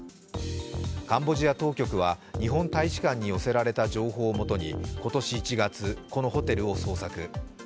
カンボジア当局は日本大使館に寄せられた情報をもとに今年１月、このホテルを捜索。